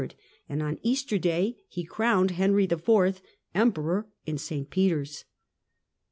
and on Easter Day he crowned Henry IV. Emperor in St Peter's.